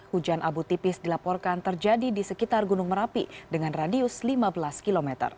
hujan abu tipis dilaporkan terjadi di sekitar gunung merapi dengan radius lima belas km